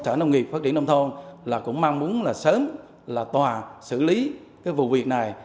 sở nông nghiệp phát triển đông thôn cũng mang mũn sớm tòa xử lý vụ việc này